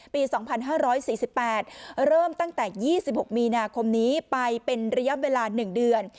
ปี๒๕๔๘เริ่มตั้งแต่๒๖มีนาคมนี้ไปเป็นระยะเวลา๑เดือน